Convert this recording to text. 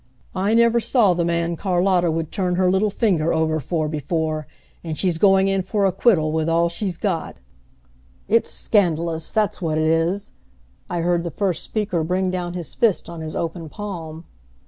I never saw the man Carlotta would turn her little finger over for before, and she's going in for acquittal with all she's got." "It's scandalous, that's what it is!" I heard the first speaker bring down his fist on his open palm.